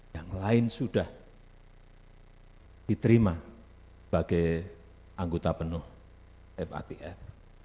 yang lain sudah diterima sebagai anggota penuh fatf